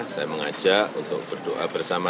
saya mengajak untuk berdoa bersama